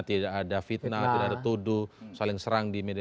tidak ada fitnah tidak ada tuduh saling serang di media